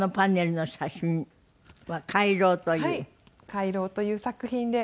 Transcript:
『回廊』という作品で。